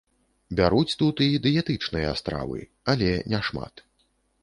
Бяруць тут і дыетычныя стравы, але няшмат.